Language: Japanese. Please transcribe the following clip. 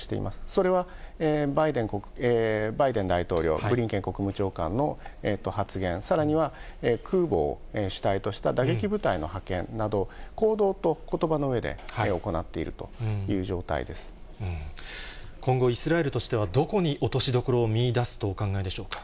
それはバイデン大統領、ブリンケン国務長官の発言、さらには空母を主体とした打撃部隊の派遣など、行動とことばのう今後イスラエルとしては、どこに落としどころを見いだすとお考えでしょうか。